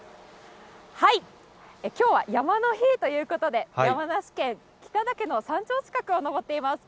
きょうは山の日ということで、山梨県北岳の山頂近くを登っています。